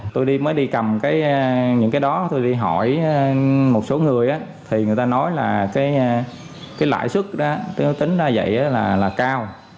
tôi mới đi cầm những cái đó tôi đi hỏi một số người thì người ta nói là cái lãi xuất tính ra vậy là cao